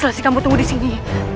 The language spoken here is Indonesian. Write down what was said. selasih kamu tunggu disini